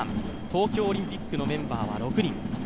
東京オリンピックのメンバーは６人。